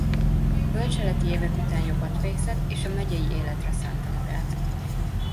A bölcseleti évek után jogot végzett és a megyei életre szánta magát.